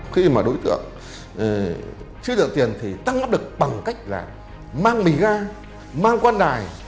khi mà đối tượng chưa đợi tiền thì tăng lắp được bằng cách là mang mì ga mang quan đài